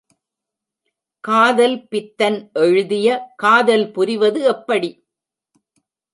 காதல் பித்தன் எழுதிய காதல் புரிவது எப்படி?